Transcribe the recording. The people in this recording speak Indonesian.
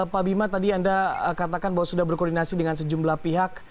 pak bima tadi anda katakan bahwa sudah berkoordinasi dengan sejumlah pihak